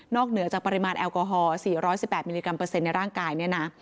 เหนือจากปริมาณแอลกอฮอล์๔๑๘มิลลิกรัเปอร์เซ็นต์ในร่างกายเนี่ยนะ